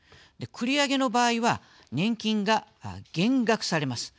繰り上げの場合は年金が減額されます。